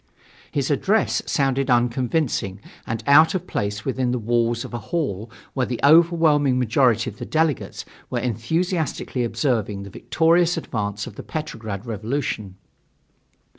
His address sounded unconvincing and out of place within the walls of a hall where the overwhelming majority of the delegates were enthusiastically observing the victorious advance of the Petrograd revolution.